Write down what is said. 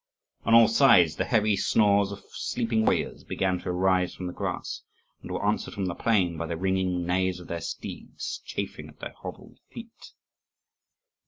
On all sides the heavy snores of sleeping warriors began to arise from the grass, and were answered from the plain by the ringing neighs of their steeds, chafing at their hobbled feet.